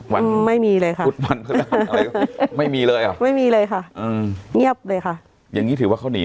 วันไม่มีเลยค่ะไม่มีเลยอ่ะไม่มีเลยค่ะอืมเงียบเลยค่ะอย่างนี้ถือว่าเขาหนี